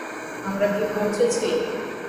আমরা কি পোঁছেছি?